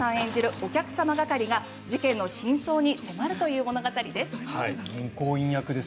お客様係が事件の真相に迫るという物語です。